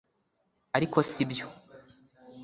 ariko sibyo